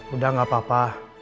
udah gak apa apa